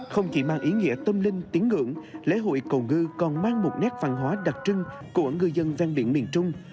không chỉ mang ý nghĩa tâm linh tiếng ngưỡng lễ hội cầu ngư còn mang một nét văn hóa đặc trưng của ngư dân ven biển miền trung